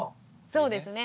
そうですね。